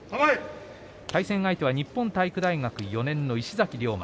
対戦相手は日本体育大学４年の石崎涼馬。